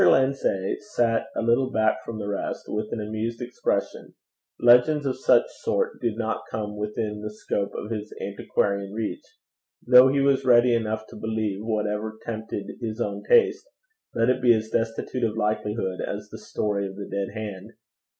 Lindsay sat a little back from the rest, with an amused expression: legends of such sort did not come within the scope of his antiquarian reach, though he was ready enough to believe whatever tempted his own taste, let it be as destitute of likelihood as the story of the dead hand.